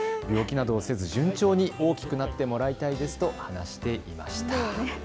病気などもせず、順調に大きくなってもらいたいですと話していました。